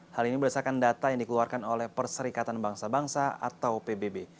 hal ini berdasarkan data yang dikeluarkan oleh perserikatan bangsa bangsa atau pbb